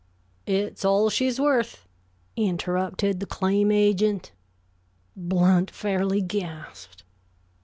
"It's all she's worth," interrupted the claim agent. Blount fairly gasped.